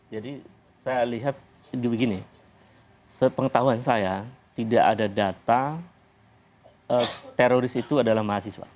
jadi saya lihat begini sepengetahuan saya tidak ada data eee teroris itu adalah mahasiswa